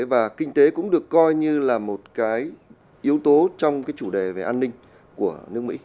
và kinh tế cũng được coi như là một cái yếu tố trong cái chủ đề về an ninh của nước mỹ